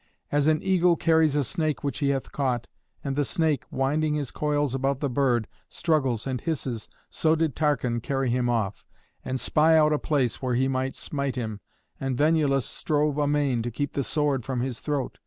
As an eagle carries a snake which he hath caught, and the snake, winding his coils about the bird, struggles and hisses, so did Tarchon carry him off, and spy out a place where he might smite him, and Venulus strove amain to keep the sword from his throat.